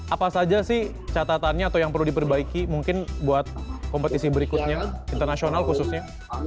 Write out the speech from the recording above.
apa saja sih catatannya atau yang perlu diperbaiki mungkin buat kompetisi berikutnya internasional khususnya